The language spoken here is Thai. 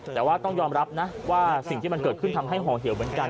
แต่ว่าต้องยอมรับนะว่าสิ่งที่มันเกิดขึ้นทำให้ห่อเหี่ยวเหมือนกัน